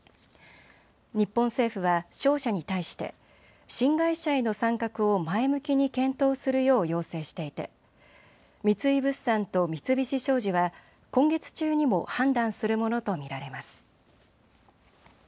日本政府は商社に対して新会社への参画を前向きに検討するよう要請していて三井物産と三菱商事は今月中にも判断するものと見られます。